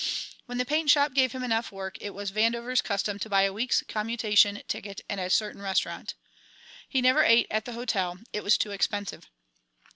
When the paint shop gave him enough work it was Vandover's custom to buy a week's commutation ticket at a certain restaurant. He never ate at the hotel; it was too expensive.